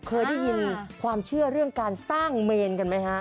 เคยได้ยินความเชื่อเรื่องการสร้างเมนกันไหมฮะ